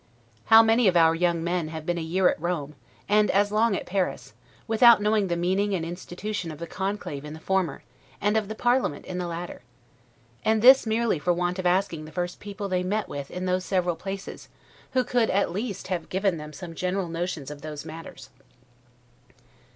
How many of our young men have been a year at Rome, and as long at Paris, without knowing the meaning and institution of the Conclave in the former, and of the parliament in the latter? and this merely for want of asking the first people they met with in those several places, who could at least have given them some general notions of those matters.